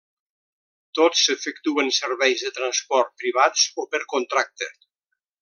Tots efectuen serveis de transport privats o per contracte.